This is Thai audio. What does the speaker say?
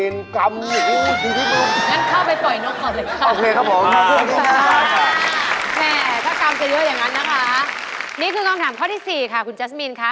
นี่คือคำถามข้อที่๔ค่ะคุณแจ๊สมินค่ะ